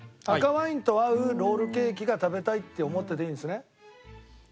赤ワインと合うロールケーキが食べたいって思ってていいんですね？